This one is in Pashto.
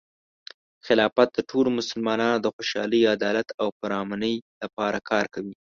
خلافت د ټولو مسلمانانو د خوشحالۍ، عدالت، او پرامنۍ لپاره کار کوي.